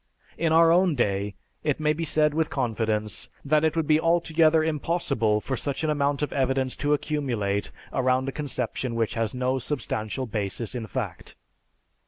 In our own day, it may be said with confidence, that it would be altogether impossible for such an amount of evidence to accumulate around a conception which has no substantial basis in fact."